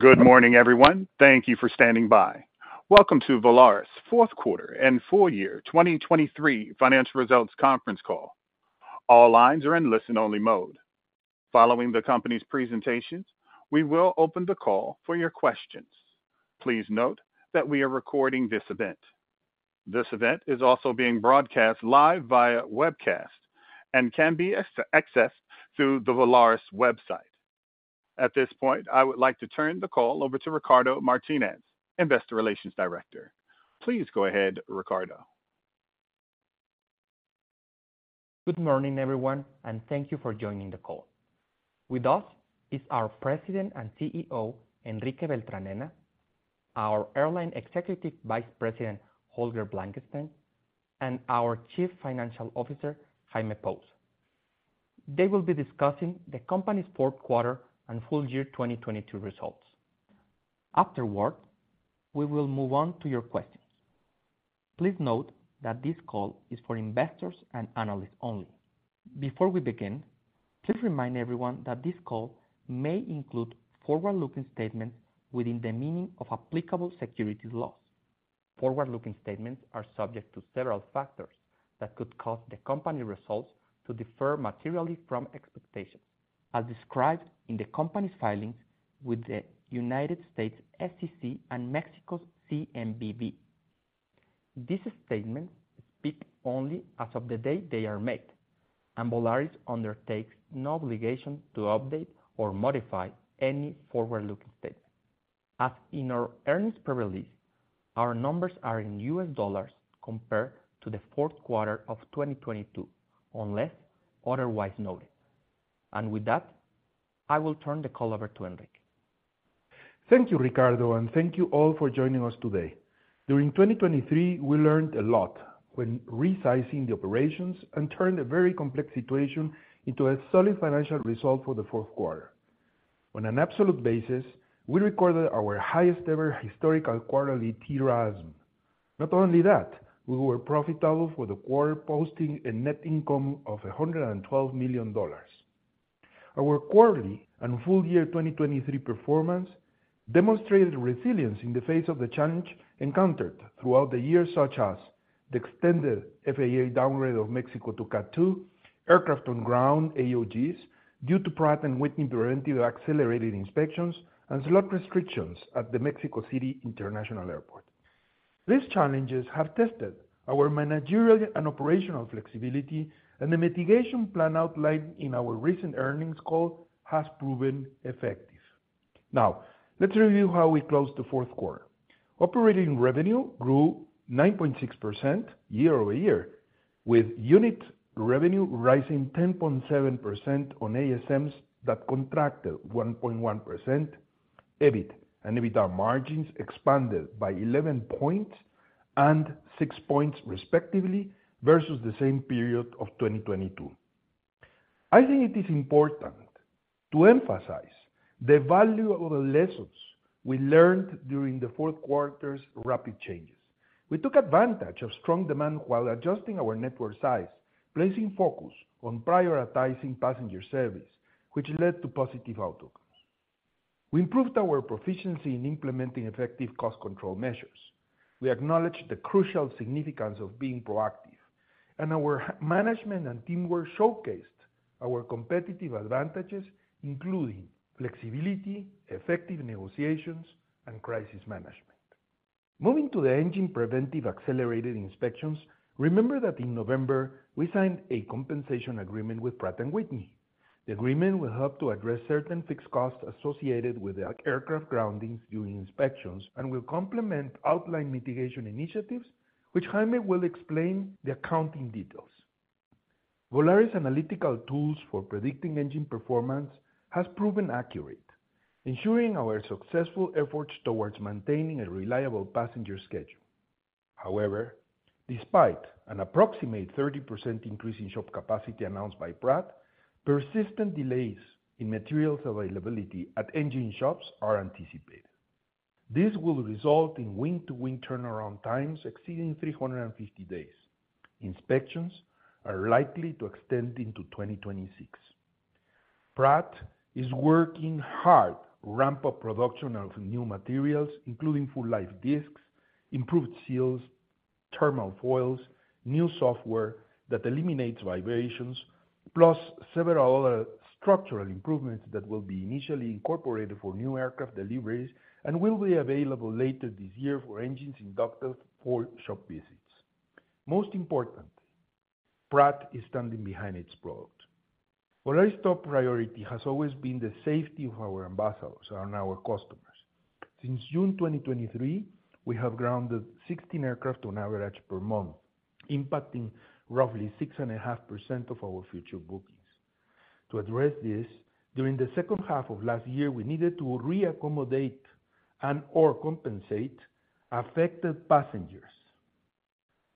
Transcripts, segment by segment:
Good morning, everyone. Thank you for standing by. Welcome to Volaris' fourth-quarter and full-year 2023 financial results conference call. All lines are in listen-only mode. Following the company's presentations, we will open the call for your questions. Please note that we are recording this event. This event is also being broadcast live via webcast and can be accessed through the Volaris website. At this point, I would like to turn the call over to Ricardo Martínez, Investor Relations Director. Please go ahead, Ricardo. Good morning, everyone, and thank you for joining the call. With us is our President and CEO, Enrique Beltranena; our Airline Executive Vice President, Holger Blankenstein; and our Chief Financial Officer, Jaime Pous. They will be discussing the company's fourth-quarter and full-year 2022 results. Afterward, we will move on to your questions. Please note that this call is for investors and analysts only. Before we begin, please remind everyone that this call may include forward-looking statements within the meaning of applicable securities laws. Forward-looking statements are subject to several factors that could cause the company results to differ materially from expectations, as described in the company's filings with the United States SEC and Mexico's CNBV. These statements speak only as of the day they are made, and Volaris undertakes no obligation to update or modify any forward-looking statement. As in our earnings press release, our numbers are in U.S. dollars compared to the fourth quarter of 2022, unless otherwise noted. With that, I will turn the call over to Enrique. Thank you, Ricardo, and thank you all for joining us today. During 2023, we learned a lot when resizing the operations and turning a very complex situation into a solid financial result for the fourth quarter. On an absolute basis, we recorded our highest-ever historical quarterly TRASM. Not only that, we were profitable for the quarter, posting a net income of $112 million. Our quarterly and full-year 2023 performance demonstrated resilience in the face of the challenges encountered throughout the year, such as the extended FAA downgrade of Mexico to Category 2, aircraft-on-ground AOGs due to Pratt & Whitney preventive accelerated inspections, and slot restrictions at the Mexico City International Airport. These challenges have tested our managerial and operational flexibility, and the mitigation plan outlined in our recent earnings call has proven effective. Now, let's review how we closed the fourth quarter. Operating revenue grew 9.6% year-over-year, with unit revenue rising 10.7% on ASMs that contracted 1.1%, EBIT and EBITDA margins expanded by 11 points and six points, respectively, versus the same period of 2022. I think it is important to emphasize the valuable lessons we learned during the fourth quarter's rapid changes. We took advantage of strong demand while adjusting our network size, placing focus on prioritizing passenger service, which led to positive outcomes. We improved our proficiency in implementing effective cost control measures. We acknowledged the crucial significance of being proactive, and our management and teamwork showcased our competitive advantages, including flexibility, effective negotiations, and crisis management. Moving to the engine preventive accelerated inspections, remember that in November we signed a compensation agreement with Pratt & Whitney. The agreement will help to address certain fixed costs associated with aircraft groundings during inspections and will complement outline mitigation initiatives, which Jaime will explain the accounting details. Volaris' analytical tools for predicting engine performance have proven accurate, ensuring our successful efforts towards maintaining a reliable passenger schedule. However, despite an approximate 30% increase in shop capacity announced by Pratt, persistent delays in materials availability at engine shops are anticipated. This will result in wing-to-wing turnaround times exceeding 350 days. Inspections are likely to extend into 2026. Pratt is working hard to ramp up production of new materials, including full-life discs, improved seals, thermal foils, new software that eliminates vibrations, plus several other structural improvements that will be initially incorporated for new aircraft deliveries and will be available later this year for engines inducted for shop visits. Most importantly, Pratt is standing behind its product. Volaris' top priority has always been the safety of our ambassadors and our customers. Since June 2023, we have grounded 16 aircrafts on average per month, impacting roughly 6.5% of our future bookings. To address this, during the second half of last year, we needed to reaccommodate and or compensate affected passengers,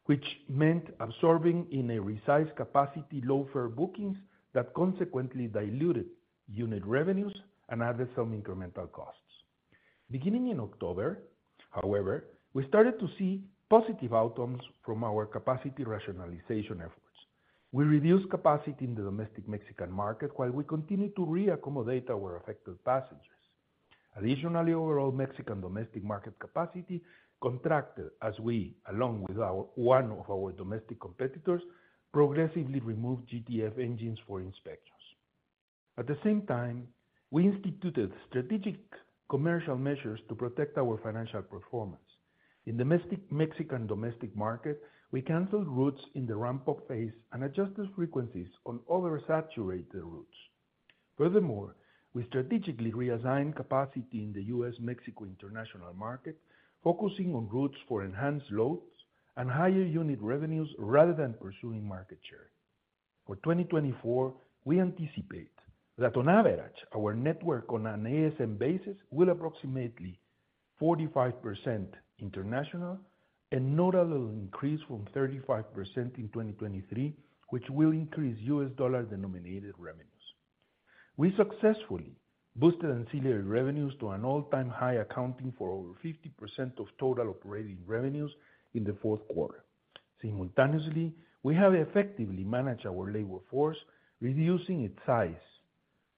which meant absorbing in a resized capacity low-fare bookings that consequently diluted unit revenues and added some incremental costs. Beginning in October, however, we started to see positive outcomes from our capacity rationalization efforts. We reduced capacity in the domestic Mexican market while we continued to reaccommodate our affected passengers. Additionally, overall Mexican domestic market capacity contracted as we, along with one of our domestic competitors, progressively removed GTF engines for inspections. At the same time, we instituted strategic commercial measures to protect our financial performance. In the Mexican domestic market, we canceled routes in the ramp-up phase and adjusted frequencies on oversaturated routes. Furthermore, we strategically reassigned capacity in the U.S.-Mexico international market, focusing on routes for enhanced loads and higher unit revenues rather than pursuing market share. For 2024, we anticipate that on average, our network on an ASM basis will approximately be 45% international, a notable increase from 35% in 2023, which will increase US dollar-denominated revenues. We successfully boosted ancillary revenues to an all-time high, accounting for over 50% of total operating revenues in the fourth quarter. Simultaneously, we have effectively managed our labor force, reducing its size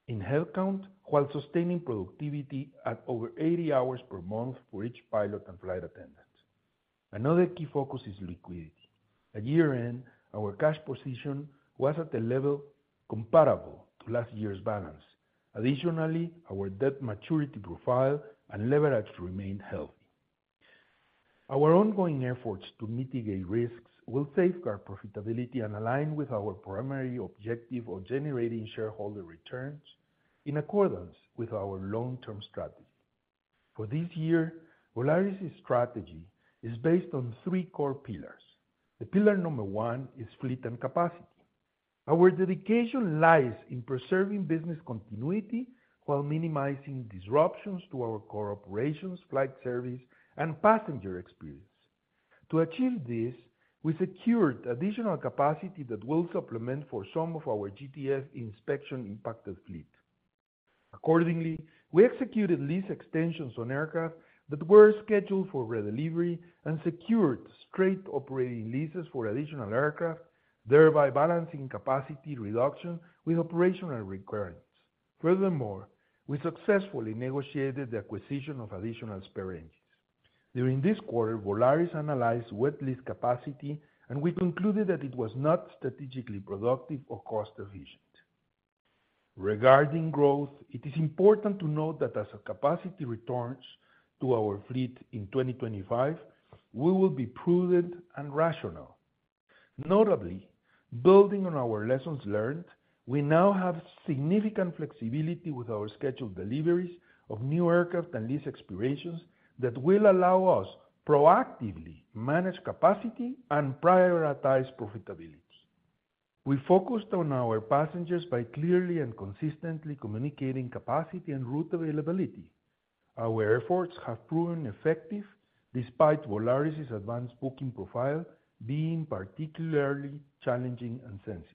in headcount while sustaining productivity at over 80 hours per month for each pilot and flight attendant. Another key focus is liquidity. At year-end, our cash position was at a level comparable to last year's balance. Additionally, our debt maturity profile and leverage remained healthy. Our ongoing efforts to mitigate risks will safeguard profitability and align with our primary objective of generating shareholder returns in accordance with our long-term strategy. For this year, Volaris' strategy is based on three core pillars. The pillar number one is fleet and capacity. Our dedication lies in preserving business continuity while minimizing disruptions to our core operations, flight service, and passenger experience. To achieve this, we secured additional capacity that will supplement for some of our GTF inspection-impacted fleet. Accordingly, we executed lease extensions on aircraft that were scheduled for redelivery and secured straight operating leases for additional aircraft, thereby balancing capacity reduction with operational requirements. Furthermore, we successfully negotiated the acquisition of additional spare engines. During this quarter, Volaris analyzed wet lease capacity, and we concluded that it was not strategically productive or cost-efficient. Regarding growth, it is important to note that as capacity returns to our fleet in 2025, we will be prudent and rational. Notably, building on our lessons learned, we now have significant flexibility with our scheduled deliveries of new aircraft and lease expirations that will allow us proactively to manage capacity and prioritize profitability. We focused on our passengers by clearly and consistently communicating capacity and route availability. Our efforts have proven effective despite Volaris' advanced booking profile being particularly challenging and sensitive.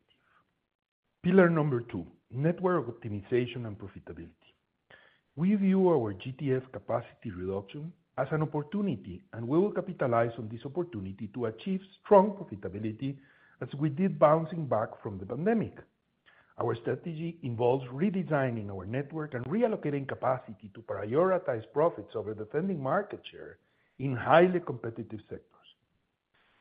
Pillar number two: network optimization and profitability. We view our GTF capacity reduction as an opportunity, and we will capitalize on this opportunity to achieve strong profitability as we did bouncing back from the pandemic. Our strategy involves redesigning our network and reallocating capacity to prioritize profits over defending market share in highly competitive sectors.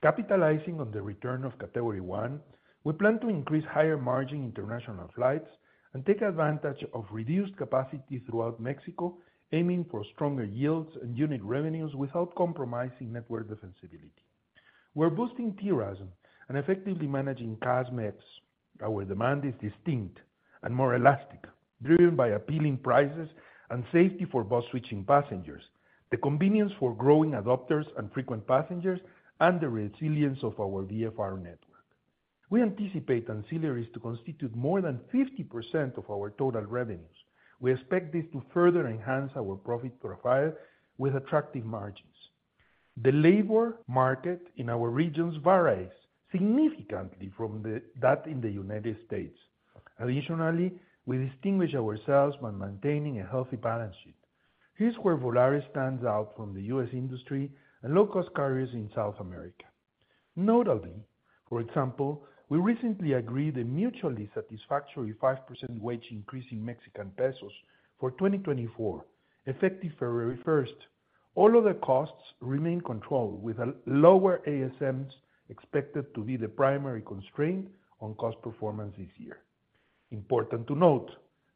Capitalizing on the return of Category 1, we plan to increase higher-margin international flights and take advantage of reduced capacity throughout Mexico, aiming for stronger yields and unit revenues without compromising network defensibility. We're boosting TRASM and effectively managing CASM ex. Our demand is distinct and more elastic, driven by appealing prices and safety for bus-switching passengers, the convenience for growing adopters and frequent passengers, and the resilience of our VFR network. We anticipate ancillaries to constitute more than 50% of our total revenues. We expect this to further enhance our profit profile with attractive margins. The labor market in our regions varies significantly from that in the United States. Additionally, we distinguish ourselves by maintaining a healthy balance sheet. Here's where Volaris stands out from the U.S. industry and low-cost carriers in South America. Notably, for example, we recently agreed a mutually satisfactory 5% wage increase in Mexican pesos for 2024, effective February 1st. All other costs remain controlled, with lower ASMs expected to be the primary constraint on cost performance this year. Important to note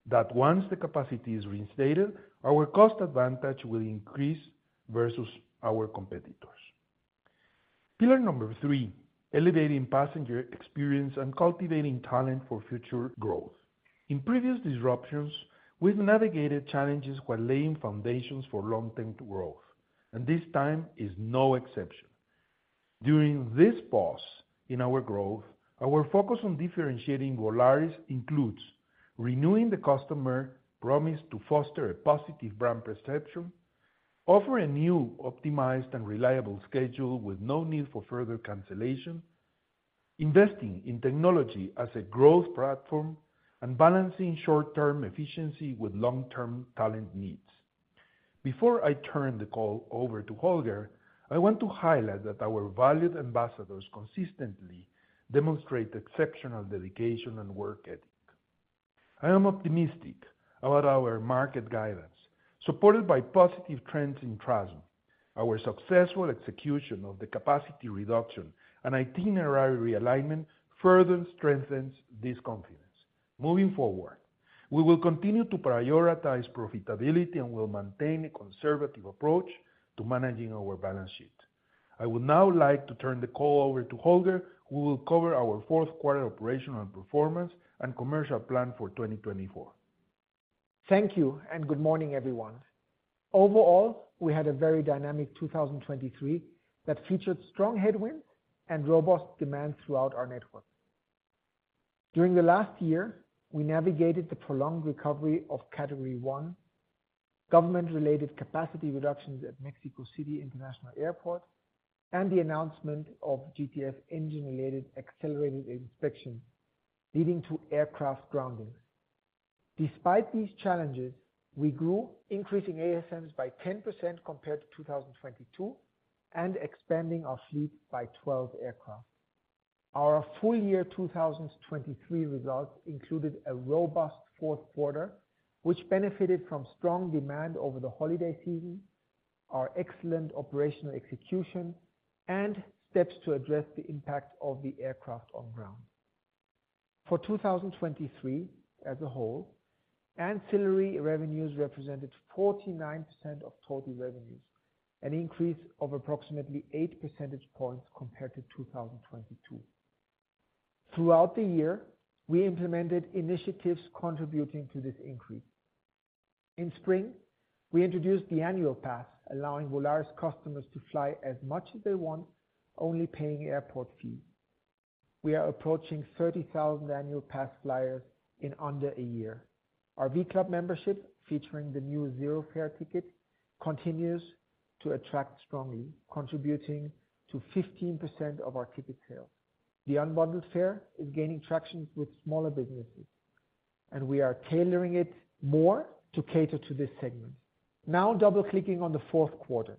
that once the capacity is reinstated, our cost advantage will increase versus our competitors. Pillar number three: elevating passenger experience and cultivating talent for future growth. In previous disruptions, we've navigated challenges while laying foundations for long-term growth, and this time is no exception. During this pause in our growth, our focus on differentiating Volaris includes renewing the customer promise to foster a positive brand perception, offering a new, optimized, and reliable schedule with no need for further cancellation, investing in technology as a growth platform, and balancing short-term efficiency with long-term talent needs. Before I turn the call over to Holger, I want to highlight that our valued ambassadors consistently demonstrate exceptional dedication and work ethic. I am optimistic about our market guidance, supported by positive trends in TRASM. Our successful execution of the capacity reduction and itinerary realignment further strengthens this confidence. Moving forward, we will continue to prioritize profitability and will maintain a conservative approach to managing our balance sheet. I would now like to turn the call over to Holger, who will cover our fourth quarter operational performance and commercial plan for 2024. Thank you, and good morning, everyone. Overall, we had a very dynamic 2023 that featured strong headwinds and robust demand throughout our network. During the last year, we navigated the prolonged recovery of Category 1, government-related capacity reductions at Mexico City International Airport, and the announcement of GTF engine-related accelerated inspections leading to aircraft groundings. Despite these challenges, we grew, increasing ASMs by 10% compared to 2022 and expanding our fleet by 12 aircraft. Our full-year 2023 results included a robust fourth quarter, which benefited from strong demand over the holiday season, our excellent operational execution, and steps to address the impact of the aircraft on ground. For 2023 as a whole, ancillary revenues represented 49% of total revenues, an increase of approximately 8 percentage points compared to 2022. Throughout the year, we implemented initiatives contributing to this increase. In spring, we introduced the Annual Pass, allowing Volaris customers to fly as much as they want, only paying airport fees. We are approaching 30,000 Annual Pass flyers in under a year. Our v.club membership, featuring the new Zero Fare ticket, continues to attract strongly, contributing to 15% of our ticket sales. The unbundled fare is gaining traction with smaller businesses, and we are tailoring it more to cater to this segment. Now, double-clicking on the fourth quarter,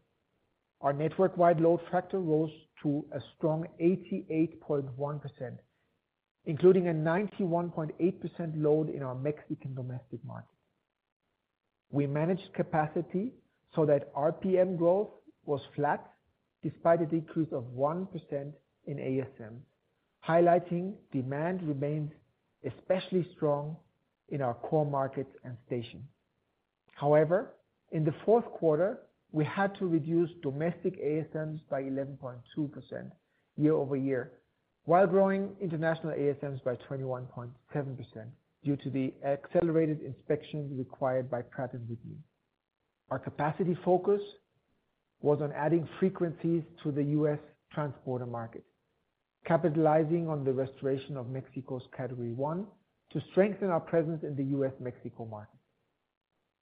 our network-wide load factor rose to a strong 88.1%, including a 91.8% load in our Mexican domestic market. We managed capacity so that RPM growth was flat despite a decrease of 1% in ASMs, highlighting demand remains especially strong in our core markets and stations. However, in the fourth quarter, we had to reduce domestic ASMs by 11.2% year-over-year while growing international ASMs by 21.7% due to the accelerated inspections required by Pratt & Whitney. Our capacity focus was on adding frequencies to the U.S. transport market, capitalizing on the restoration of Mexico's Category 1 to strengthen our presence in the U.S.-Mexico market.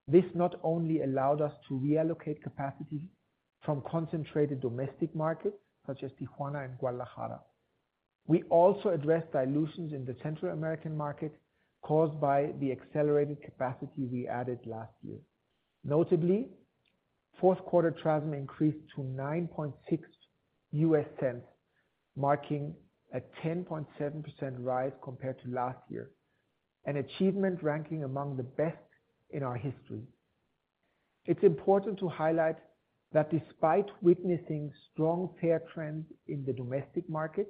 This not only allowed us to reallocate capacity from concentrated domestic markets such as Tijuana and Guadalajara, we also addressed dilutions in the Central American market caused by the accelerated capacity we added last year. Notably, fourth quarter TRASM increased to $0.096, marking a 10.7% rise compared to last year, an achievement ranking among the best in our history. It's important to highlight that despite witnessing strong fare trends in the domestic market,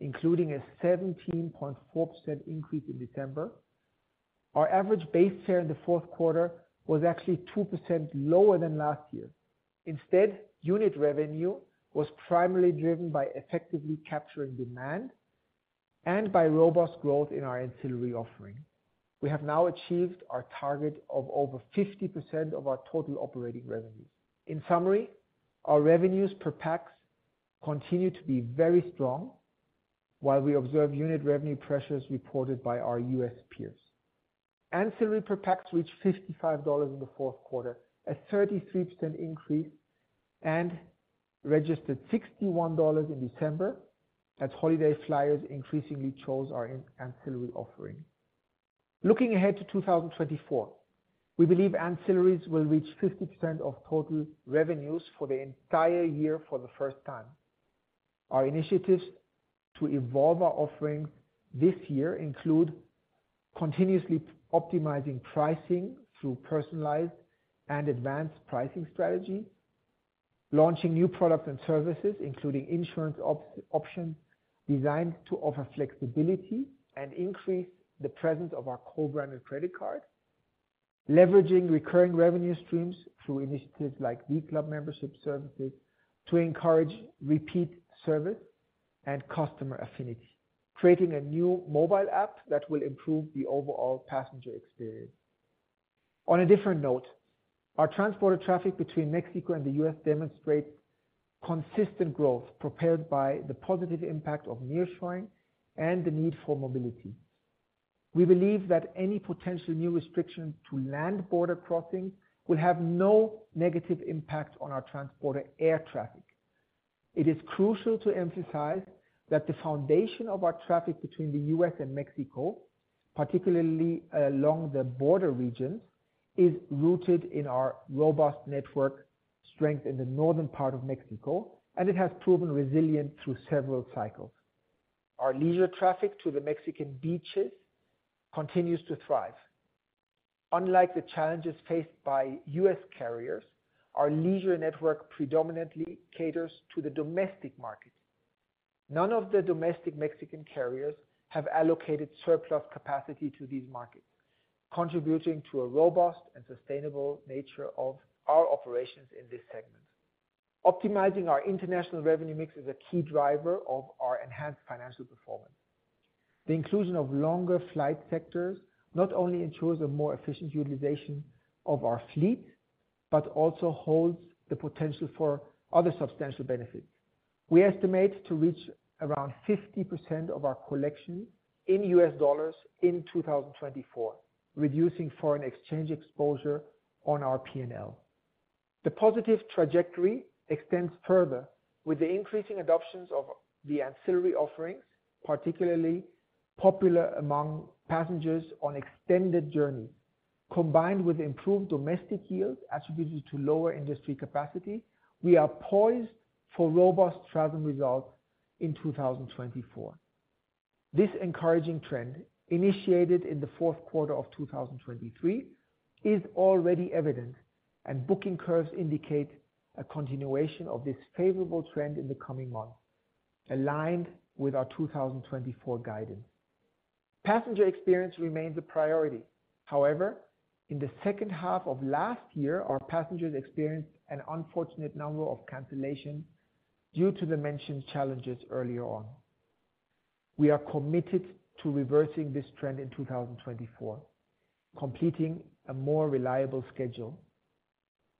including a 17.4% increase in December, our average base fare in the fourth quarter was actually 2% lower than last year. Instead, unit revenue was primarily driven by effectively capturing demand and by robust growth in our ancillary offering. We have now achieved our target of over 50% of our total operating revenues. In summary, our revenues per PAX continue to be very strong while we observe unit revenue pressures reported by our U.S. peers. Ancillary per PAX reached $55 in the fourth quarter, a 33% increase, and registered $61 in December as holiday flyers increasingly chose our ancillary offering. Looking ahead to 2024, we believe ancillaries will reach 50% of total revenues for the entire year for the first time. Our initiatives to evolve our offerings this year include continuously optimizing pricing through personalized and advanced pricing strategies, launching new products and services including insurance options designed to offer flexibility and increase the presence of our co-branded credit card, leveraging recurring revenue streams through initiatives like v.club membership services to encourage repeat service and customer affinity, creating a new mobile app that will improve the overall passenger experience. On a different note, our transborder traffic between Mexico and the U.S. demonstrates consistent growth propelled by the positive impact of nearshoring and the need for mobility. We believe that any potential new restriction to land border crossings will have no negative impact on our transborder air traffic. It is crucial to emphasize that the foundation of our traffic between the U.S. Mexico, particularly along the border regions, is rooted in our robust network strength in the northern part of Mexico, and it has proven resilient through several cycles. Our leisure traffic to the Mexican beaches continues to thrive. Unlike the challenges faced by U.S. carriers, our leisure network predominantly caters to the domestic market. None of the domestic Mexican carriers have allocated surplus capacity to these markets, contributing to a robust and sustainable nature of our operations in this segment. Optimizing our international revenue mix is a key driver of our enhanced financial performance. The inclusion of longer flight sectors not only ensures a more efficient utilization of our fleet but also holds the potential for other substantial benefits. We estimate to reach around 50% of our collection in U.S. dollars in 2024, reducing foreign exchange exposure on our P&L. The positive trajectory extends further. With the increasing adoptions of the ancillary offerings, particularly popular among passengers on extended journeys, combined with improved domestic yields attributed to lower industry capacity, we are poised for robust TRASM results in 2024. This encouraging trend, initiated in the fourth quarter of 2023, is already evident, and booking curves indicate a continuation of this favorable trend in the coming months, aligned with our 2024 guidance. Passenger experience remains a priority. However, in the second half of last year, our passengers experienced an unfortunate number of cancellations due to the mentioned challenges earlier on. We are committed to reversing this trend in 2024, completing a more reliable schedule.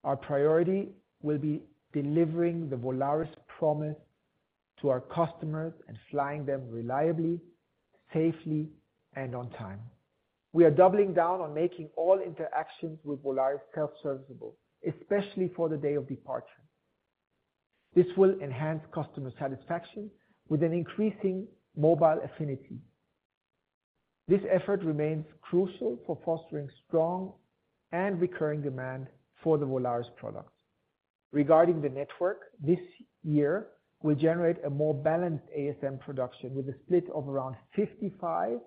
Our priority will be delivering the Volaris promise to our customers and flying them reliably, safely, and on time. We are doubling down on making all interactions with Volaris self-serviceable, especially for the day of departure. This will enhance customer satisfaction with an increasing mobile affinity. This effort remains crucial for fostering strong and recurring demand for the Volaris products. Regarding the network, this year will generate a more balanced ASM production with a split of around 55%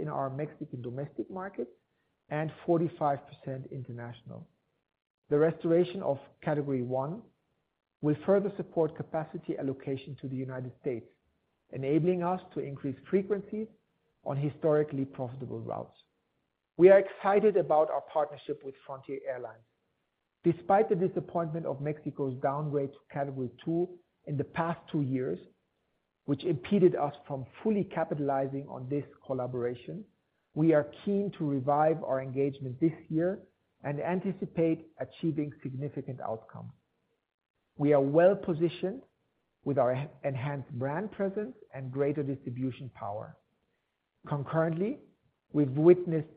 in our Mexican domestic markets and 45% international. The restoration of Category 1 will further support capacity allocation to the United States, enabling us to increase frequencies on historically profitable routes. We are excited about our partnership with Frontier Airlines. Despite the disappointment of Mexico's downgrade to Category 2 in the past two years, which impeded us from fully capitalizing on this collaboration, we are keen to revive our engagement this year and anticipate achieving significant outcomes. We are well-positioned with our enhanced brand presence and greater distribution power. Concurrently, we've witnessed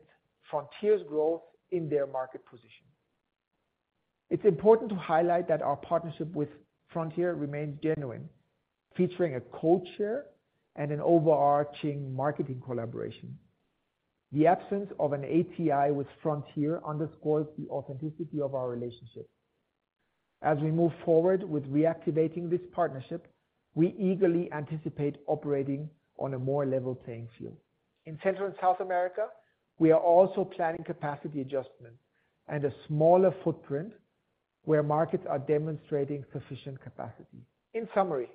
Frontier's growth in their market position. It's important to highlight that our partnership with Frontier remains genuine, featuring a codeshare and an overarching marketing collaboration. The absence of an ATI with Frontier underscores the authenticity of our relationship. As we move forward with reactivating this partnership, we eagerly anticipate operating on a more level playing field. In Central and South America, we are also planning capacity adjustments and a smaller footprint where markets are demonstrating sufficient capacity. In summary,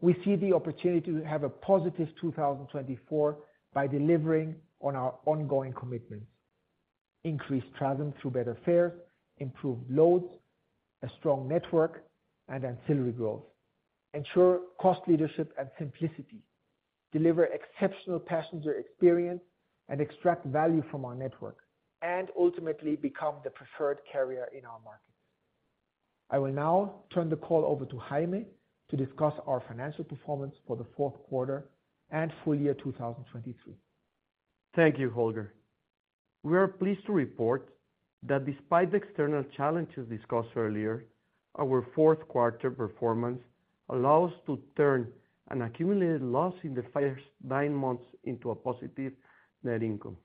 we see the opportunity to have a positive 2024 by delivering on our ongoing commitments: increased TRASM through better fares, improved loads, a strong network, and ancillary growth. Ensure cost leadership and simplicity, deliver exceptional passenger experience, and extract value from our network, and ultimately become the preferred carrier in our markets. I will now turn the call over to Jaime to discuss our financial performance for the fourth quarter and full year 2023. Thank you, Holger. We are pleased to report that despite the external challenges discussed earlier, our fourth quarter performance allows us to turn an accumulated loss in the first nine months into a positive net income.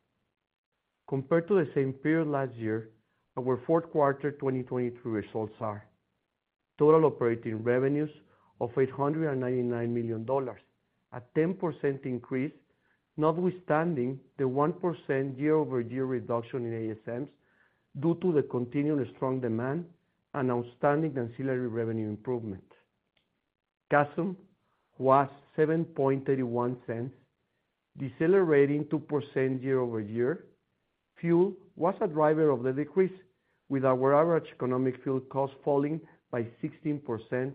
Compared to the same period last year, our fourth quarter 2023 results are: total operating revenues of $899 million, a 10% increase notwithstanding the 1% year-over-year reduction in ASMs due to the continued strong demand and outstanding ancillary revenue improvement. CASM was $0.0731, decelerating 2% year-over-year. Fuel was a driver of the decrease, with our average economic fuel cost falling by 16%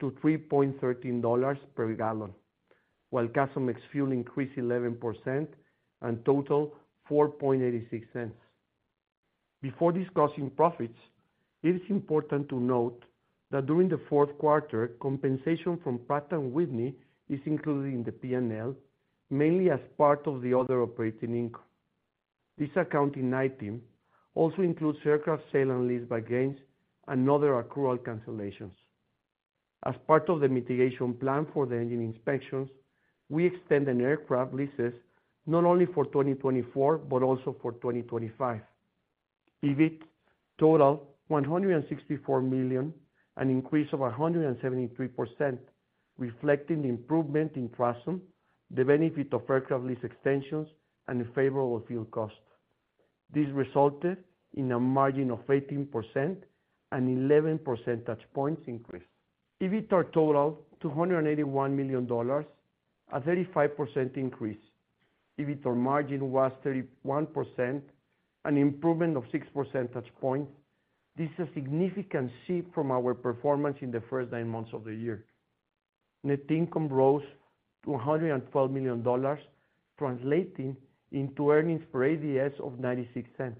to $3.13 per gallon, while CASM ex-fuel increased 11% and totaled $0.0486. Before discussing profits, it is important to note that during the fourth quarter, compensation from Pratt & Whitney is included in the P&L, mainly as part of the other operating income. This accounting item also includes aircraft sale and leaseback gains and other accrual cancellations. As part of the mitigation plan for the engine inspections, we extended aircraft leases not only for 2024 but also for 2025. EBIT totaled $164 million, an increase of 173%, reflecting the improvement in TRASM, the benefit of aircraft lease extensions, and the favorable fuel cost. This resulted in a margin of 18% and 11 percentage points increase. EBITDAR totaled $281 million, a 35% increase. EBITDAR margin was 31%, an improvement of 6 percentage points. This is a significant shift from our performance in the first nine months of the year. Net income rose to $112 million, translating into earnings per ADS of $0.96.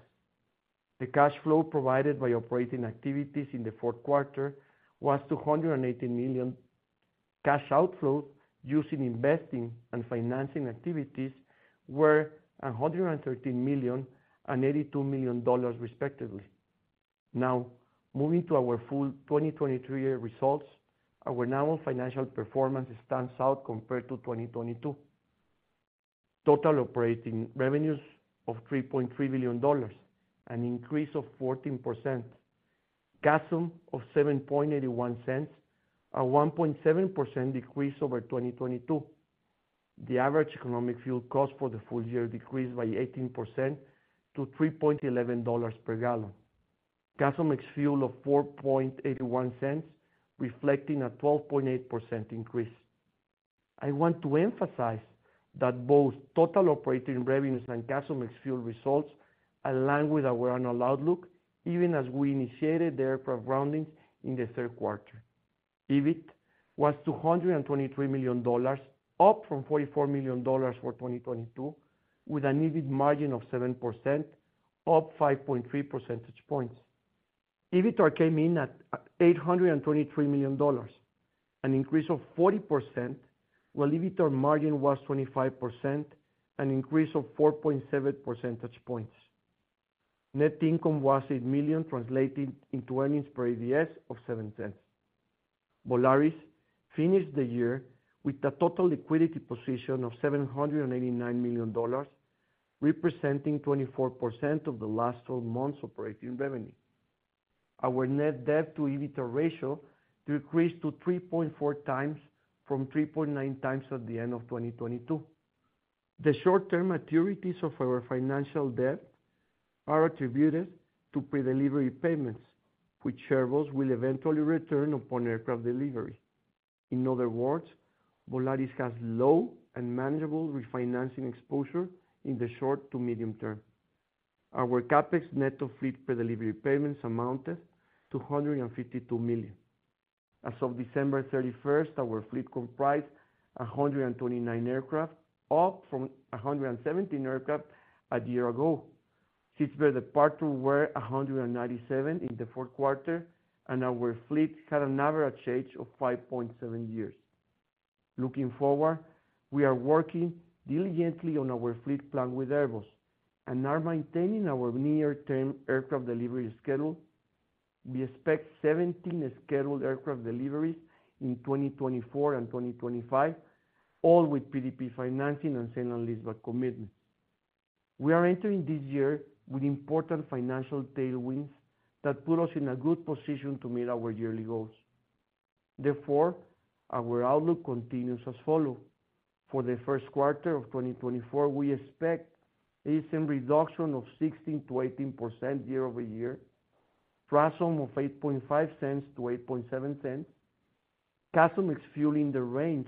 The cash flow provided by operating activities in the fourth quarter was $218 million. Cash outflows from investing and financing activities were $113 million and $82 million, respectively. Now, moving to our full 2023 year results, our nominal financial performance stands out compared to 2022. Total operating revenues of $3.3 billion, an increase of 14%. CASM of $0.0781, a 1.7% decrease over 2022. The average economic fuel cost for the full year decreased by 18% to $3.11 per gallon. CASM ex-fuel of $0.0481, reflecting a 12.8% increase. I want to emphasize that both total operating revenues and CASM ex-fuel results align with our annual outlook, even as we initiated the aircraft groundings in the third quarter. EBIT was $223 million, up from $44 million for 2022, with an EBIT margin of 7%, up 5.3 percentage points. EBITDAR came in at $823 million, an increase of 40%, while EBITDAR margin was 25%, an increase of 4.7 percentage points. Net income was $8 million, translating into earnings per ADS of $0.07. Volaris finished the year with a total liquidity position of $789 million, representing 24% of the last 12 months' operating revenue. Our net debt to EBITDAR ratio decreased to 3.4 times from 3.9 times at the end of 2022. The short-term maturities of our financial debt are attributed to pre-delivery payments, which shareholders will eventually return upon aircraft delivery. In other words, Volaris has low and manageable refinancing exposure in the short to medium term. Our CapEx net of fleet pre-delivery payments amounted to $152 million. As of December 31st, our fleet comprised 129 aircraft, up from 117 aircraft a year ago. Since their departure, we're at 197 in the fourth quarter, and our fleet had an average age of 5.7 years. Looking forward, we are working diligently on our fleet plan with Airbus, and are maintaining our near-term aircraft delivery schedule. We expect 17 scheduled aircraft deliveries in 2024 and 2025, all with PDP financing and sale and leaseback commitment. We are entering this year with important financial tailwinds that put us in a good position to meet our yearly goals. Therefore, our outlook continues as follows. For the first quarter of 2024, we expect ASM reduction of 16%-18% year-over-year, TRASM of $0.085-$0.087, CASM ex-fuel in the range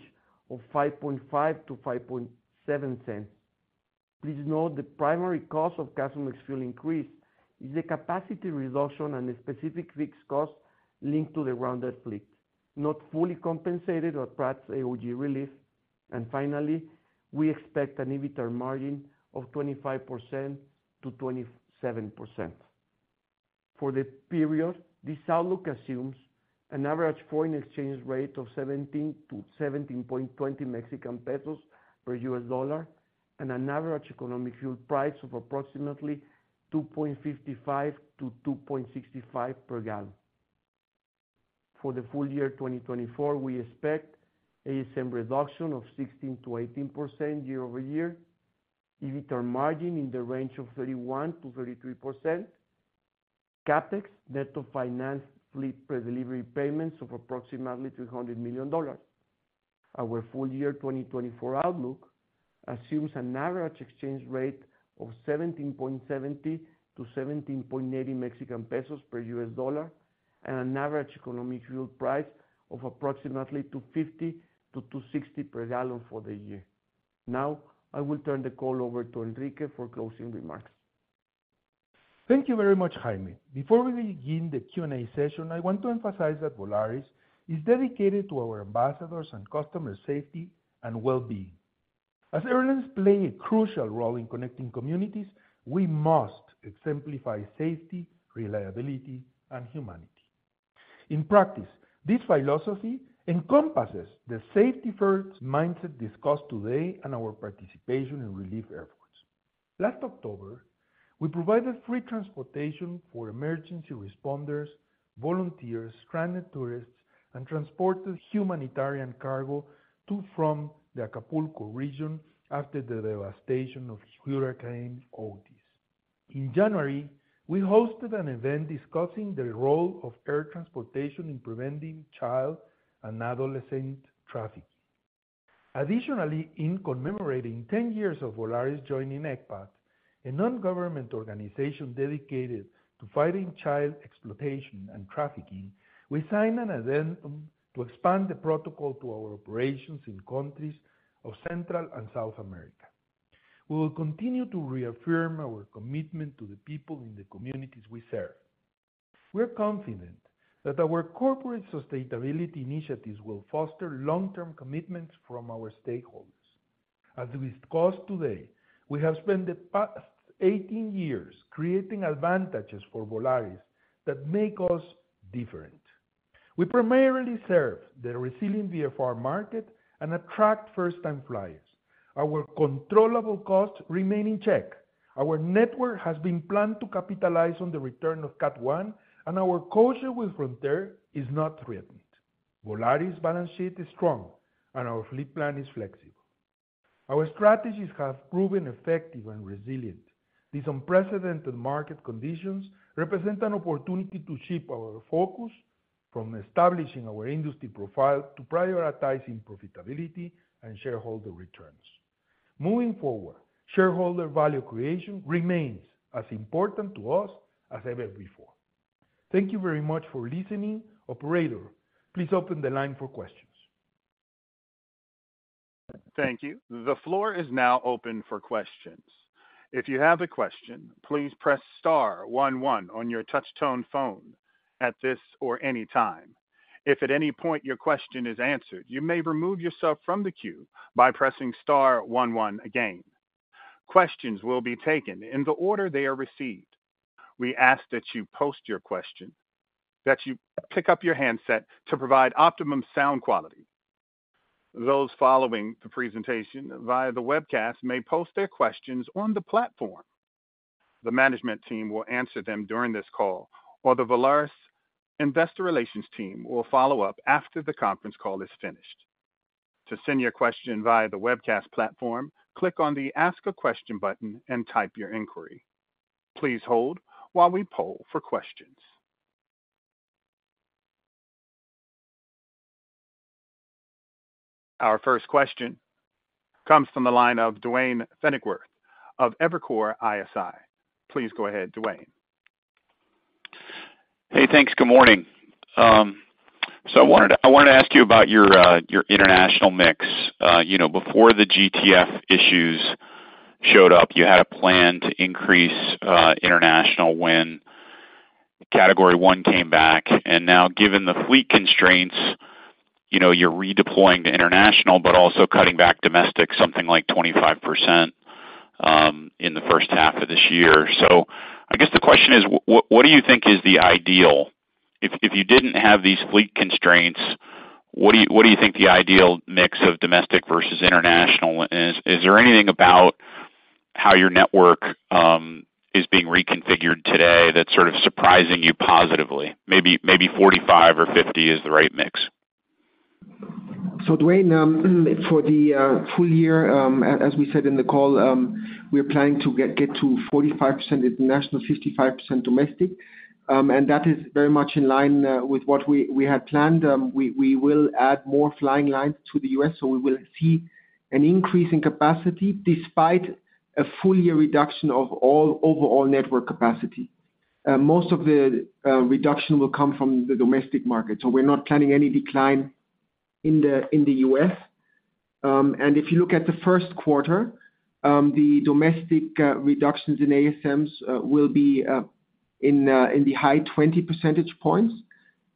of $0.055-$0.057. Please note the primary cause of CASM ex-fuel increase is the capacity reduction and specific fixed costs linked to the grounded fleet, not fully compensated but perhaps AOG relief. Finally, we expect an EBITDAR margin of 25%-27%. For the period, this outlook assumes an average foreign exchange rate of 17-17.20 Mexican pesos per US dollar and an average economic fuel price of approximately $2.55-$2.65 per gallon. For the full year 2024, we expect ASM reduction of 16%-18% year-over-year, EBITDAR margin in the range of 31%-33%, CapEx net of financed fleet pre-delivery payments of approximately $300 million. Our full year 2024 outlook assumes an average exchange rate of 17.70-17.80 Mexican pesos per US dollar and an average economic fuel price of approximately $2.50-$2.60 per gallon for the year. Now, I will turn the call over to Enrique for closing remarks. Thank you very much, Jaime. Before we begin the Q&A session, I want to emphasize that Volaris is dedicated to our ambassadors and customer safety and well-being. As airlines play a crucial role in connecting communities, we must exemplify safety, reliability, and humanity. In practice, this philosophy encompasses the safety-first mindset discussed today and our participation in relief efforts. Last October, we provided free transportation for emergency responders, volunteers, stranded tourists, and transported humanitarian cargo to and from the Acapulco region after the devastation of Hurricane Otis. In January, we hosted an event discussing the role of air transportation in preventing child and adolescent trafficking. Additionally, in commemorating 10 years of Volaris joining ECPAT, a non-governmental organization dedicated to fighting child exploitation and trafficking, we signed an addendum to expand the protocol to our operations in countries of Central and South America. We will continue to reaffirm our commitment to the people in the communities we serve. We are confident that our corporate sustainability initiatives will foster long-term commitments from our stakeholders. As we discussed today, we have spent the past 18 years creating advantages for Volaris that make us different. We primarily serve the resilient VFR market and attract first-time flyers. Our controllable costs remain in check. Our network has been planned to capitalize on the return of Category 1, and our codeshare with Frontier is not threatened. Volaris' balance sheet is strong, and our fleet plan is flexible. Our strategies have proven effective and resilient. These unprecedented market conditions represent an opportunity to shift our focus from establishing our industry profile to prioritizing profitability and shareholder returns. Moving forward, shareholder value creation remains as important to us as ever before. Thank you very much for listening. Operator, please open the line for questions. Thank you. The floor is now open for questions. If you have a question, please press star one one on your touch-tone phone at this or any time. If at any point your question is answered, you may remove yourself from the queue by pressing star one one again. Questions will be taken in the order they are received. We ask that you post your question, that you pick up your handset to provide optimum sound quality. Those following the presentation via the webcast may post their questions on the platform. The management team will answer them during this call, or the Volaris Investor Relations team will follow up after the conference call is finished. To send your question via the webcast platform, click on the Ask a Question button and type your inquiry. Please hold while we poll for questions. Our first question comes from the line of Duane Pfennigwerth of Evercore ISI. Please go ahead, Duane. Hey, thanks. Good morning. So I wanted to ask you about your international mix. Before the GTF issues showed up, you had a plan to increase international when Category 1 came back. And now, given the fleet constraints, you're redeploying to international but also cutting back domestic something like 25% in the first half of this year. So I guess the question is, what do you think is the ideal? If you didn't have these fleet constraints, what do you think the ideal mix of domestic versus international is? Is there anything about how your network is being reconfigured today that's sort of surprising you positively? Maybe 45 or 50 is the right mix? So, Duane, for the full year, as we said in the call, we are planning to get to 45% international, 55% domestic. That is very much in line with what we had planned. We will add more flying lines to the US, so we will see an increase in capacity despite a full-year reduction of all overall network capacity. Most of the reduction will come from the domestic market, so we're not planning any decline in the US. And if you look at the first quarter, the domestic reductions in ASMs will be in the high 20 percentage points,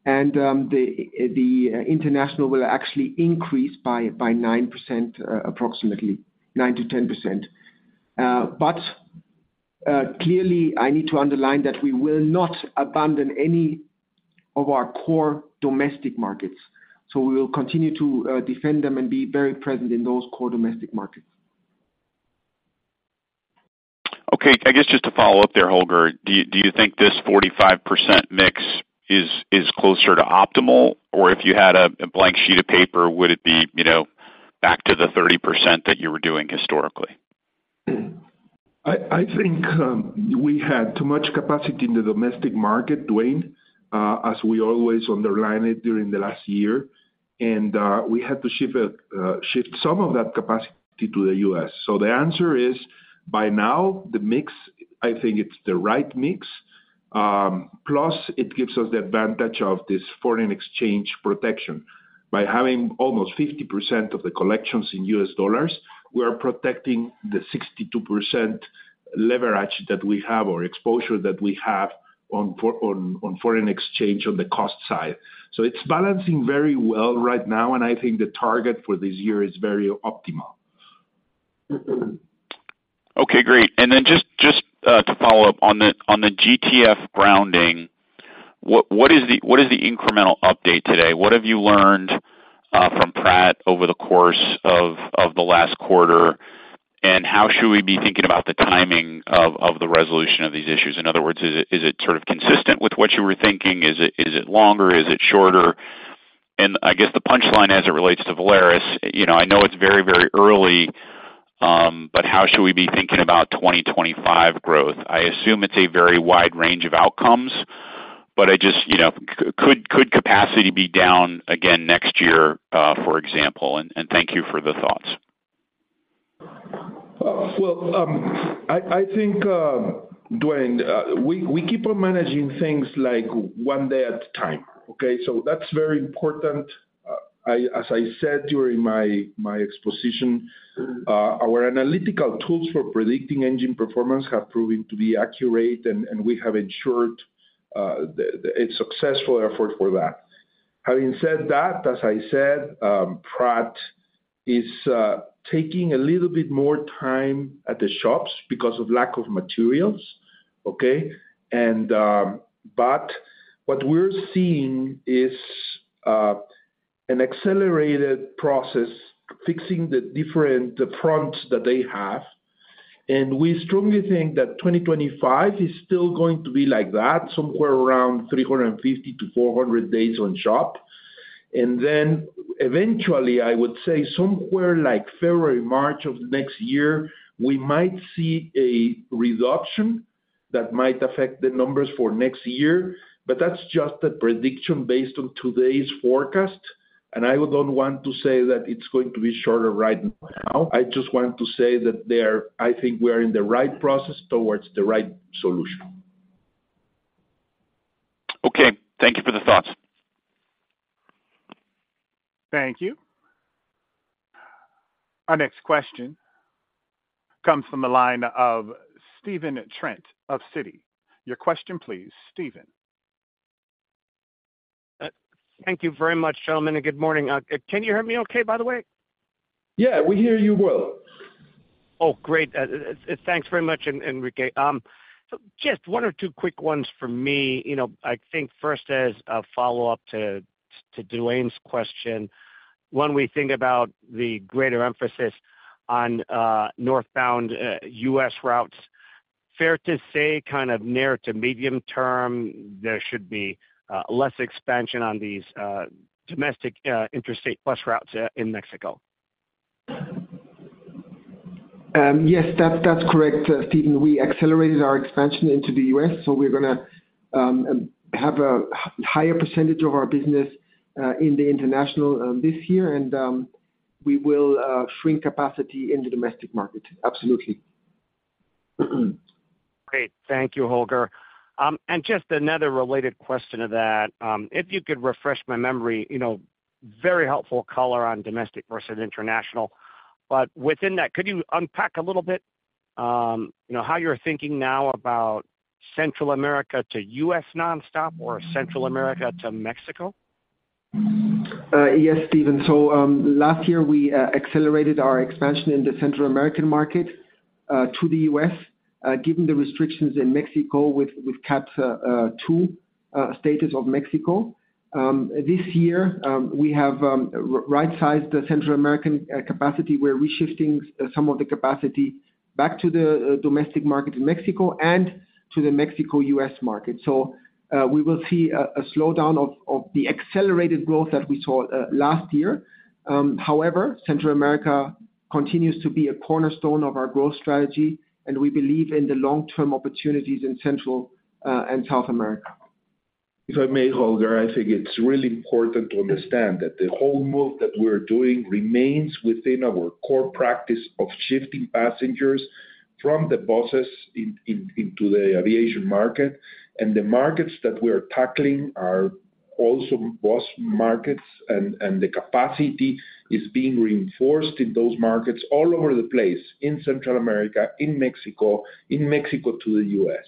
and the international will actually increase by 9% approximately, 9%-10%. But clearly, I need to underline that we will not abandon any of our core domestic markets. So we will continue to defend them and be very present in those core domestic markets. Okay. I guess just to follow up there, Holger, do you think this 45% mix is closer to optimal, or if you had a blank sheet of paper, would it be back to the 30% that you were doing historically? I think we had too much capacity in the domestic market, Duane, as we always underlined it during the last year. And we had to shift some of that capacity to the U.S. So the answer is, by now, the mix, I think it's the right mix. Plus, it gives us the advantage of this foreign exchange protection. By having almost 50% of the collections in U.S. dollars, we are protecting the 62% leverage that we have or exposure that we have on foreign exchange on the cost side. So it's balancing very well right now, and I think the target for this year is very optimal. Okay. Great. And then just to follow up on the GTF grounding, what is the incremental update today? What have you learned from Pratt over the course of the last quarter, and how should we be thinking about the timing of the resolution of these issues? In other words, is it sort of consistent with what you were thinking? Is it longer? Is it shorter? And I guess the punchline as it relates to Volaris, I know it's very, very early, but how should we be thinking about 2025 growth? I assume it's a very wide range of outcomes, but could capacity be down again next year, for example? And thank you for the thoughts. Well, I think, Duane, we keep on managing things like one day at a time, okay? So that's very important. As I said during my exposition, our analytical tools for predicting engine performance have proven to be accurate, and we have ensured a successful effort for that. Having said that, as I said, Pratt is taking a little bit more time at the shops because of lack of materials, okay? But what we're seeing is an accelerated process fixing the different fronts that they have. And we strongly think that 2025 is still going to be like that, somewhere around 350-400 days on shop. And then eventually, I would say somewhere like February, March of next year, we might see a reduction that might affect the numbers for next year. But that's just a prediction based on today's forecast. I don't want to say that it's going to be shorter right now. I just want to say that I think we are in the right process towards the right solution. Okay. Thank you for the thoughts. Thank you. Our next question comes from the line of Stephen Trent of Citi. Your question, please, Stephen. Thank you very much, gentlemen, and good morning. Can you hear me okay, by the way? Yeah, we hear you well. Oh, great. Thanks very much, Enrique. So just one or two quick ones for me. I think first as a follow-up to Duane's question, when we think about the greater emphasis on northbound US routes, fair to say kind of near-to-medium term, there should be less expansion on these domestic interstate bus routes in Mexico? Yes, that's correct, Stephen. We accelerated our expansion into the U.S., so we're going to have a higher percentage of our business in the international this year, and we will shrink capacity in the domestic market, absolutely. Great. Thank you, Holger. And just another related question to that, if you could refresh my memory, very helpful color on domestic versus international. But within that, could you unpack a little bit how you're thinking now about Central America to U.S. nonstop or Central America to Mexico? Yes, Stephen. So last year, we accelerated our expansion in the Central American market to the U.S., given the restrictions in Mexico with Category 2 status of Mexico. This year, we have right-sized the Central American capacity. We're reshifting some of the capacity back to the domestic market in Mexico and to the Mexico-U.S. market. So we will see a slowdown of the accelerated growth that we saw last year. However, Central America continues to be a cornerstone of our growth strategy, and we believe in the long-term opportunities in Central and South America. If I may, Holger, I think it's really important to understand that the whole move that we're doing remains within our core practice of shifting passengers from the buses into the aviation market. And the markets that we are tackling are also bus markets, and the capacity is being reinforced in those markets all over the place, in Central America, in Mexico, in Mexico to the U.S.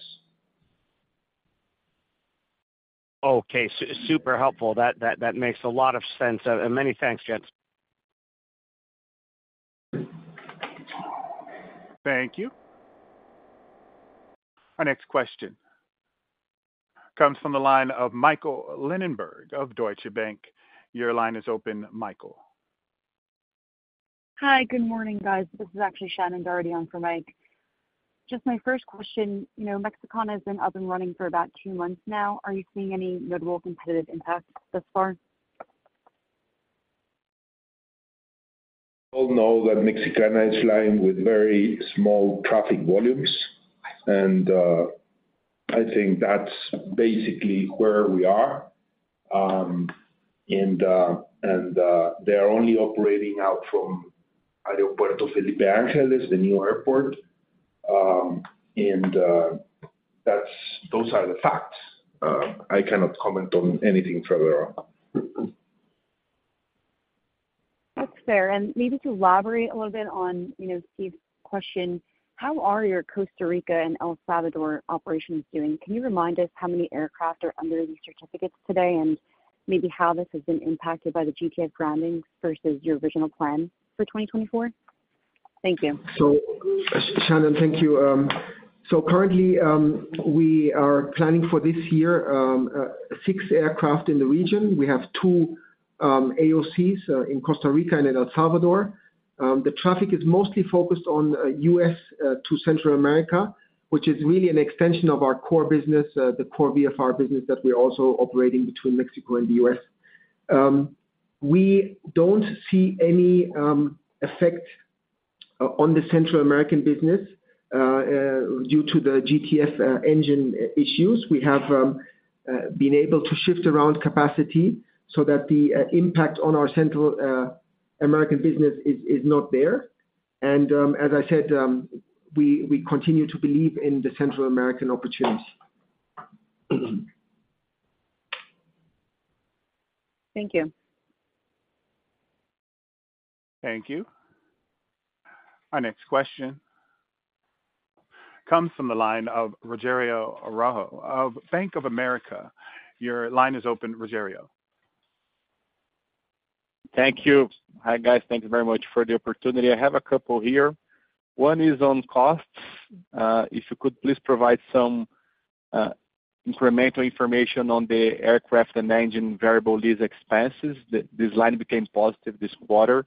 Okay. Super helpful. That makes a lot of sense. Many thanks, gents. Thank you. Our next question comes from the line of Michael Linenberg of Deutsche Bank. Your line is open, Michael. Hi. Good morning, guys. This is actually Shannon Doherty for Mike. Just my first question, Mexicana has been up and running for about two months now. Are you seeing any notable competitive impact thus far? All know that Mexicana is flying with very small traffic volumes, and I think that's basically where we are. They are only operating out from Aeropuerto Felipe Ángeles, the new airport. Those are the facts. I cannot comment on anything further on. That's fair. Maybe to elaborate a little bit on Stephen's question, how are your Costa Rica and El Salvador operations doing? Can you remind us how many aircraft are under these certificates today and maybe how this has been impacted by the GTF grounding versus your original plan for 2024? Thank you. So, Shannon, thank you. So currently, we are planning for this year six aircrafts in the region. We have two AOCs in Costa Rica and in El Salvador. The traffic is mostly focused on U.S. to Central America, which is really an extension of our core business, the core VFR business that we're also operating between Mexico and the U.S. We don't see any effect on the Central American business due to the GTF engine issues. We have been able to shift around capacity so that the impact on our Central American business is not there. And as I said, we continue to believe in the Central American opportunity. Thank you. Thank you. Our next question comes from the line of Rogério Araújo of Bank of America. Your line is open, Rogério. Thank you. Hi, guys. Thank you very much for the opportunity. I have a couple here. One is on costs. If you could please provide some incremental information on the aircraft and engine variable lease expenses. This line became positive this quarter.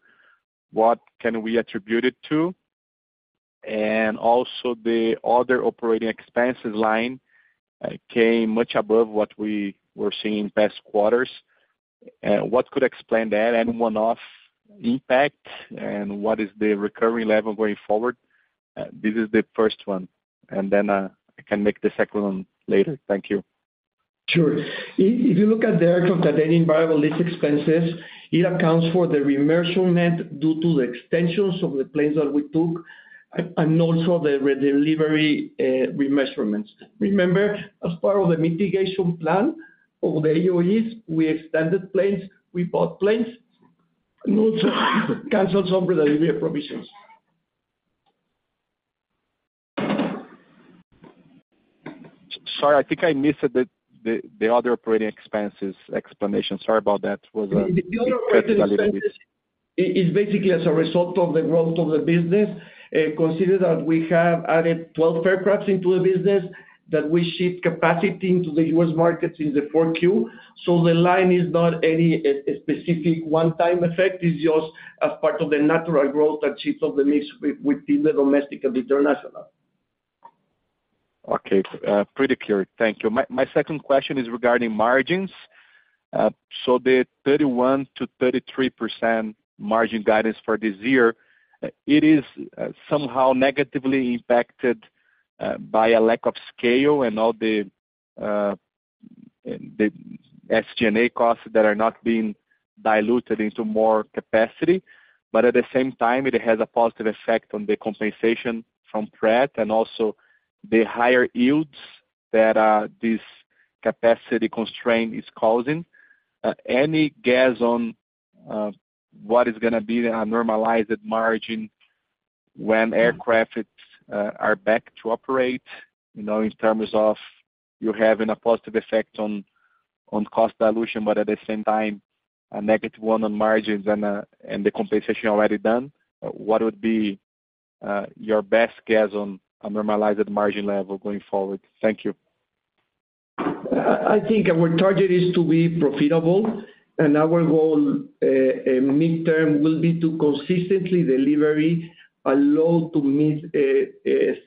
What can we attribute it to? And also, the other operating expenses line came much above what we were seeing in past quarters. What could explain that and one-off impact, and what is the recurring level going forward? This is the first one. And then I can make the second one later. Thank you. Sure. If you look at the aircraft and engine variable lease expenses, it accounts for the remeasurement due to the extensions of the planes that we took and also the delivery remeasurements. Remember, as part of the mitigation plan of the AOGs, we extended planes, we bought planes, and also canceled some redelivery provisions. Sorry, I think I missed the other operating expenses explanation. Sorry about that. It was a credit delivery. It's basically as a result of the growth of the business. Consider that we have added 12 aircraft into the business that we ship capacity into the U.S. markets in the 4Q. So the line is not any specific one-time effect. It's just as part of the natural growth that shifts of the mix between the domestic and international. Okay. Pretty clear. Thank you. My second question is regarding margins. So the 31%-33% margin guidance for this year, it is somehow negatively impacted by a lack of scale and all the SG&A costs that are not being diluted into more capacity. But at the same time, it has a positive effect on the compensation from Pratt and also the higher yields that this capacity constraint is causing. Any guess on what is going to be a normalized margin when aircraft are back to operate in terms of you having a positive effect on cost dilution, but at the same time, a negative one on margins and the compensation already done? What would be your best guess on a normalized margin level going forward? Thank you. I think our target is to be profitable, and our goal mid-term will be to consistently deliver a low-to-mid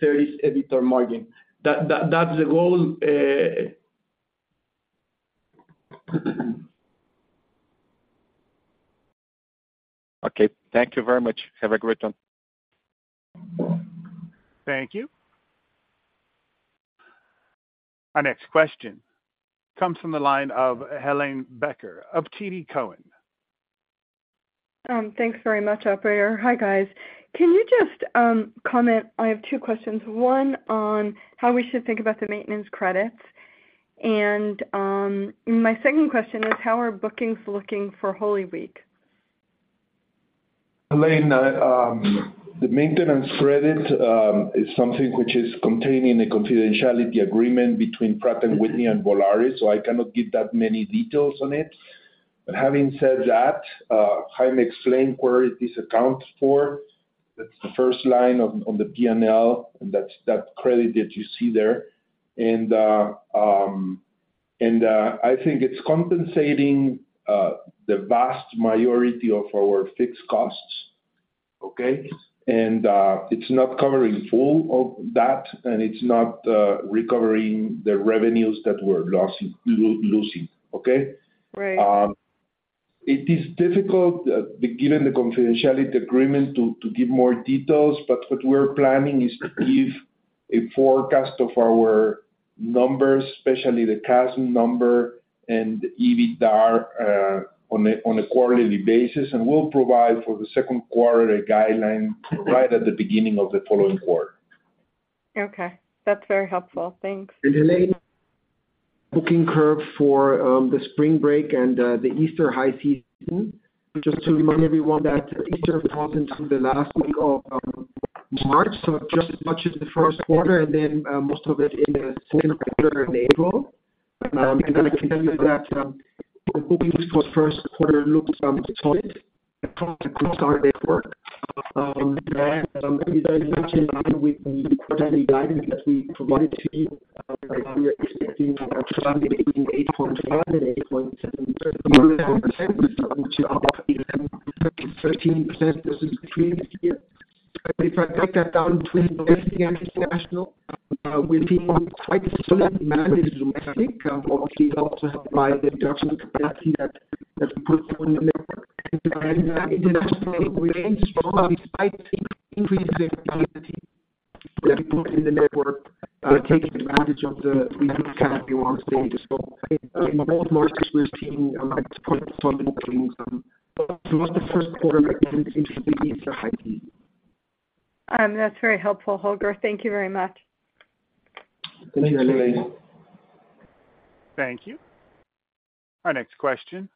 single-digit margin. That's the goal. Okay. Thank you very much. Have a great one. Thank you. Our next question comes from the line of Helane Becker of TD Cowen. Thanks very much, operator. Hi, guys. Can you just comment? I have two questions. One on how we should think about the maintenance credits. And my second question is, how are bookings looking for Holy Week? Helane, the maintenance credit is something which is containing a confidentiality agreement between Pratt & Whitney and Volaris, so I cannot give that many details on it. But having said that, I'm explaining where it is accounted for. That's the first line on the P&L, that credit that you see there. I think it's compensating the vast majority of our fixed costs, okay? It's not covering full of that, and it's not recovering the revenues that we're losing, okay? Right. It is difficult, given the confidentiality agreement, to give more details. But what we're planning is to give a forecast of our numbers, especially the CASM number and EBITDAR on a quarterly basis. And we'll provide for the second quarter a guideline right at the beginning of the following quarter. Okay. That's very helpful. Thanks. Helane, booking curve for the spring break and the Easter high season. Just to remind everyone that Easter falls into the last week of March, so just as much as the first quarter, and then most of it in the second quarter in April. Then I can tell you that the bookings for the first quarter look solid across our network. As I mentioned, with the quarterly guidance that we provided to you, we are expecting a trend between 8.5%-8.7%, which is up 13% versus previous year. But if I break that down between domestic and international, we're seeing quite solid margins domestic, obviously also by the reduction of capacity that we put in the network. And internationally, we remain strong despite the increase in the capacity that we put in the network, taking advantage of the free access to the United States. In both markets, we're seeing quite solid bookings. For us, the first quarter is interesting, Easter high season. That's very helpful, Holger. Thank you very much. Thank you, Helane. Thank you. Our next question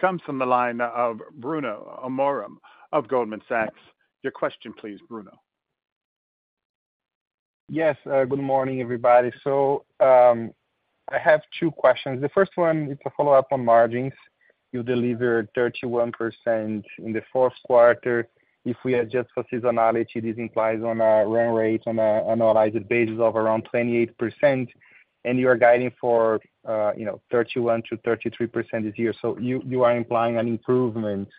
comes from the line of Bruno Amorim of Goldman Sachs. Your question, please, Bruno. Yes. Good morning, everybody. I have two questions. The first one, it's a follow-up on margins. You delivered 31% in the fourth quarter. If we adjust for seasonality, this implies on our run rate on an annualized basis of around 28%, and you are guiding for 31%-33% this year. You are implying an improvement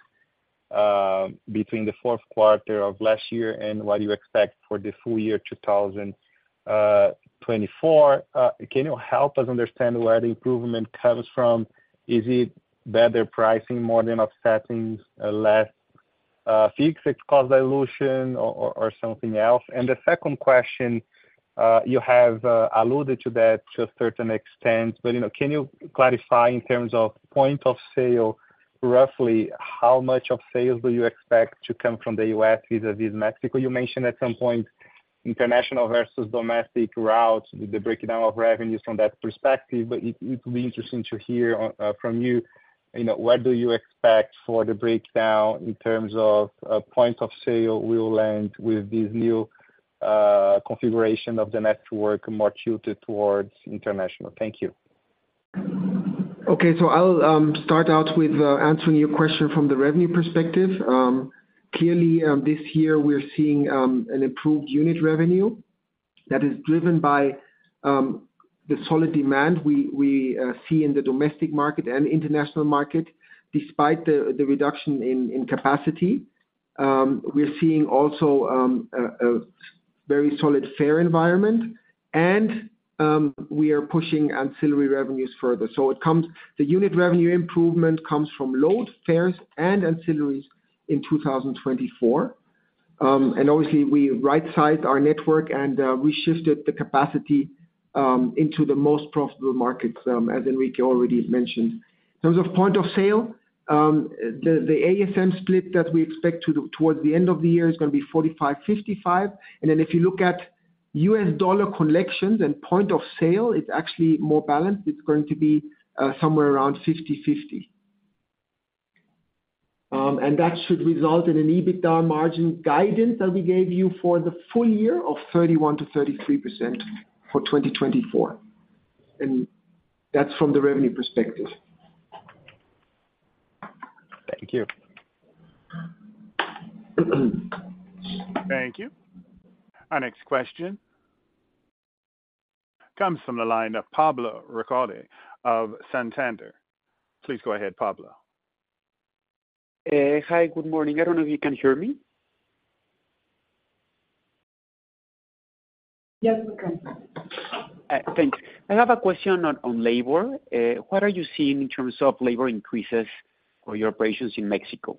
between the fourth quarter of last year and what you expect for the full year 2024. Can you help us understand where the improvement comes from? Is it better pricing, more than offsetting less fixed cost dilution, or something else? And the second question, you have alluded to that to a certain extent, but can you clarify in terms of point of sale, roughly, how much of sales do you expect to come from the U.S. vis-à-vis Mexico? You mentioned at some point international versus domestic routes, the breakdown of revenues from that perspective. It would be interesting to hear from you, where do you expect for the breakdown in terms of point of sale will land with this new configuration of the network more tilted towards international? Thank you. Okay. So I'll start out with answering your question from the revenue perspective. Clearly, this year, we're seeing an improved unit revenue that is driven by the solid demand we see in the domestic market and international market. Despite the reduction in capacity, we're seeing also a very solid fare environment, and we are pushing ancillary revenues further. So the unit revenue improvement comes from load, fares, and ancillaries in 2024. And obviously, we right-sized our network, and we shifted the capacity into the most profitable markets, as Enrique already mentioned. In terms of point of sale, the ASM split that we expect towards the end of the year is going to be 45%-55%. And then if you look at U.S. dollar collections and point of sale, it's actually more balanced. It's going to be somewhere around 50%-50%. That should result in an EBITDA margin guidance that we gave you for the full year of 31%-33% for 2024. That's from the revenue perspective. Thank you. Thank you. Our next question comes from the line of Pablo Ricalde of Santander. Please go ahead, Pablo. Hi. Good morning. I don't know if you can hear me. Yes, we can. Thanks. I have a question on labor. What are you seeing in terms of labor increases for your operations in Mexico?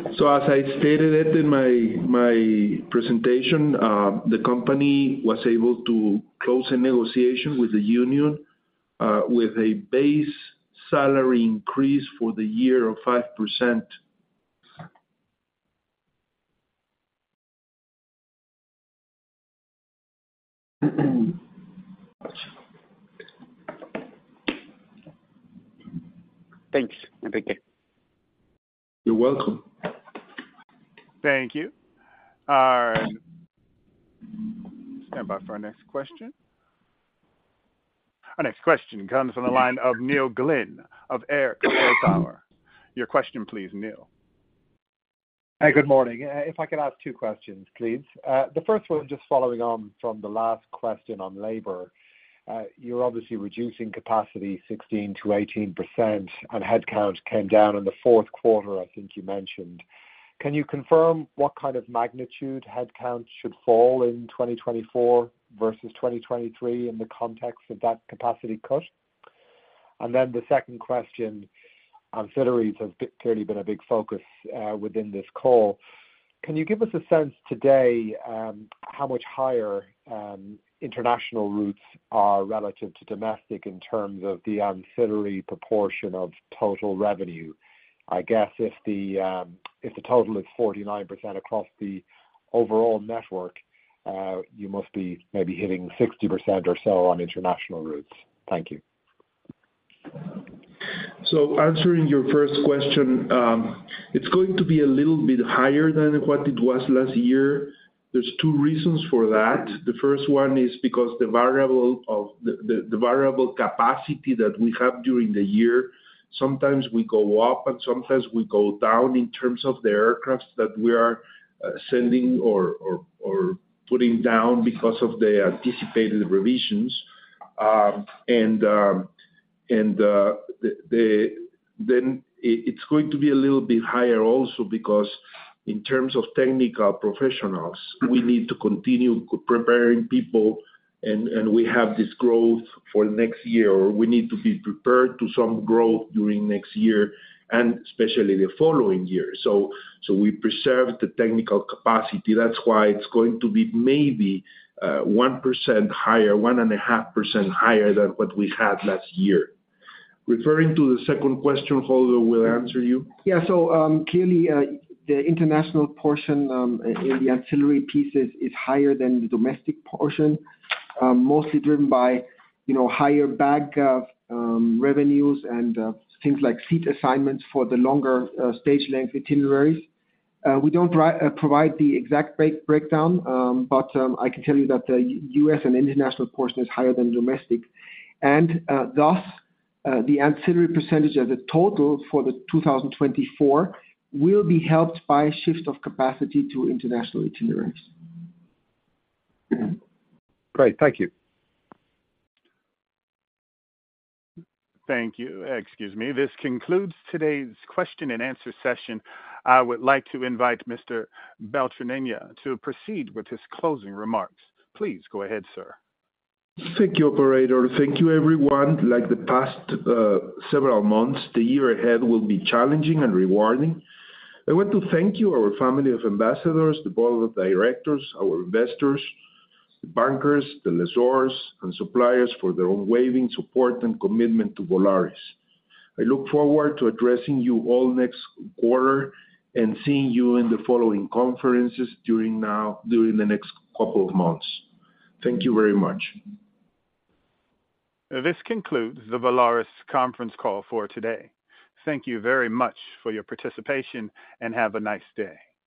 As I stated it in my presentation, the company was able to close a negotiation with the union with a base salary increase for the year of 5%. Thanks, Enrique. You're welcome. Thank you. All right. Stand by for our next question. Our next question comes from the line of Neil Glynn of AIR Control Tower. Your question, please, Neil? Hi. Good morning. If I could ask two questions, please. The first one, just following on from the last question on labor, you're obviously reducing capacity 16%-18%, and headcount came down in the fourth quarter, I think you mentioned. Can you confirm what kind of magnitude headcount should fall in 2024 versus 2023 in the context of that capacity cut? And then the second question, ancillaries have clearly been a big focus within this call. Can you give us a sense today how much higher international routes are relative to domestic in terms of the ancillary proportion of total revenue? I guess if the total is 49% across the overall network, you must be maybe hitting 60% or so on international routes. Thank you. So answering your first question, it's going to be a little bit higher than what it was last year. There's two reasons for that. The first one is because the variable capacity that we have during the year, sometimes we go up, and sometimes we go down in terms of the aircraft that we are sending or putting down because of the anticipated revisions. And then it's going to be a little bit higher also because in terms of technical professionals, we need to continue preparing people, and we have this growth for next year, or we need to be prepared to some growth during next year, and especially the following year. So we preserve the technical capacity. That's why it's going to be maybe 1% higher, 1.5% higher than what we had last year. Referring to the second question, Holger will answer you. Yeah. So clearly, the international portion in the ancillary pieces is higher than the domestic portion, mostly driven by higher bag revenues and things like seat assignments for the longer-stage-length itineraries. We don't provide the exact breakdown, but I can tell you that the U.S. and international portion is higher than domestic. And thus, the ancillary percentage as a total for the 2024 will be helped by a shift of capacity to international itineraries. Great. Thank you. Thank you. Excuse me. This concludes today's question and answer session. I would like to invite Mr. Beltranena to proceed with his closing remarks. Please go ahead, sir. Thank you, operator. Thank you, everyone. Like the past several months, the year ahead will be challenging and rewarding. I want to thank you, our family of ambassadors, the board of directors, our investors, the bankers, the lessors, and suppliers for their unwavering support and commitment to Volaris. I look forward to addressing you all next quarter and seeing you in the following conferences during the next couple of months. Thank you very much. This concludes the Volaris conference call for today. Thank you very much for your participation, and have a nice day.